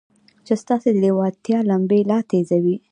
چې ستاسې د لېوالتیا لمبې لا تېزوي.